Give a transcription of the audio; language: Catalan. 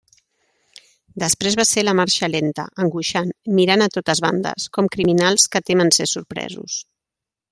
Després va ser la marxa lenta, angoixant, mirant a totes bandes, com criminals que temen ser sorpresos.